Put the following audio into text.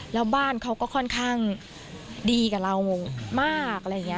แล้วบ้านเขาก็ค่อนข้างดีกับเรามาก